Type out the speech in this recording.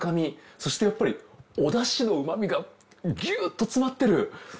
そしてやっぱりお出汁の旨みがギュッと詰まってる。